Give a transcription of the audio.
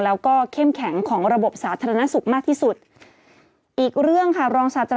แล้วก็เข้มแข็งของระบบสาธารณสุขมากที่สุด